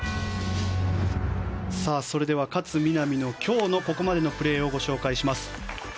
勝みなみの今日のここまでのプレーをご紹介します。